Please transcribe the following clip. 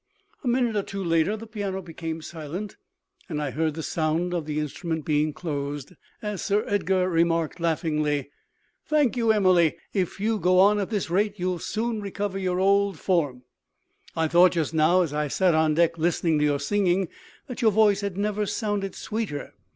A minute or two later the piano became silent, and I heard the sound of the instrument being closed, as Sir Edgar remarked, laughingly "Thank you, Emily. If you go on at this rate you will soon recover your old form. I thought, just now, as I sat on deck listening to your singing, that your voice had never sounded sweeter.